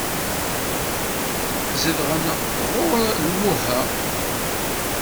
Zedɣen ɣur Imuha.